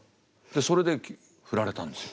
それで振られたんですよ。